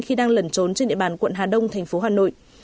khi đang lẩn trốn trên địa bàn quận hà đông thành phố hà nội